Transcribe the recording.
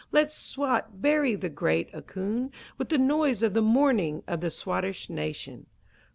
Let Swat bury the great Ahkoond With the noise of the mourning of the Swattish nation!